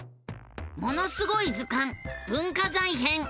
「ものすごい図鑑文化財編」！